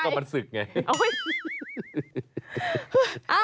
เพราะมันสึกไง